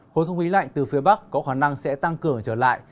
khối không khí lạnh từ phía bắc có khả năng sẽ tăng cường trở lại